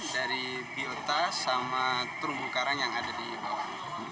dari biota sama terumbu karang yang ada di bawah